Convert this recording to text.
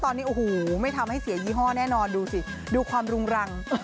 ตอนนี้โอ้โหไม่ทำให้เสียยี่ห้อแน่นอนดูสิดูความรุงรัง